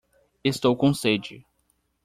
Estou com sede.